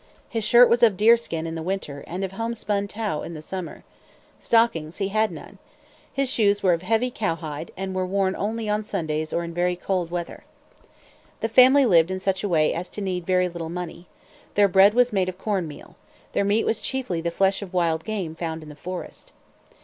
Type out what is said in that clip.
His shirt was of deerskin in the winter, and of homespun tow in the summer. Stockings he had none. His shoes were of heavy cowhide, and were worn only on Sundays or in very cold weather. The family lived in such a way as to need very little money. Their bread was made of corn meal. Their meat was chiefly the flesh of wild game found in the forest.